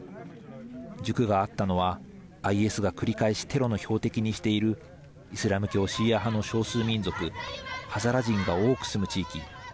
塾があったのはＩＳが繰り返しテロの標的にしているイスラム教シーア派の少数民族ハザラ人が多く住む地域。